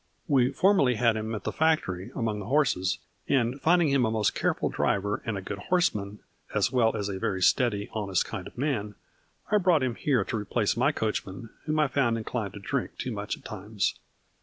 We formerly had him at the factory, among the horses, and, finding him a most careful driver and a good horseman, as well as a very steady, honest kind of man, I brought him here to re place my coachman, whom I found inclined to drink too much at times.